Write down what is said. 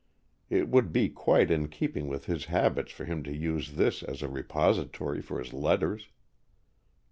It would be quite in keeping with his habits for him to use this as a repository for his letters.